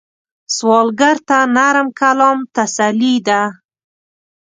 سوالګر ته نرم کلام تسلي ده